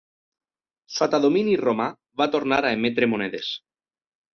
Sota domini romà va tornar a emetre monedes.